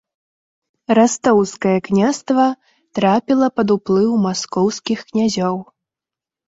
Растоўскае княства трапіла пад уплыў маскоўскіх князёў.